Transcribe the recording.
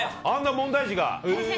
あんな問題児が。